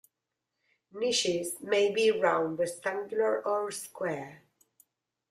Knishes may be round, rectangular, or square.